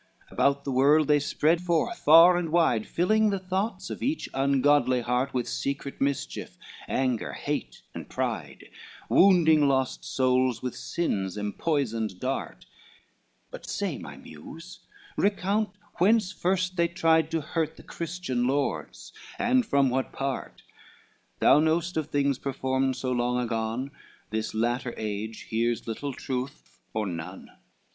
XIX About the world they spread forth far and wide, Filling the thoughts of each ungodly heart With secret mischief, anger, hate and pride, Wounding lost souls with sin's empoisoned dart. But say, my Muse, recount whence first they tried To hurt the Christian lords, and from what part, Thou knowest of things performed so long agone, This latter age hears little truth or none.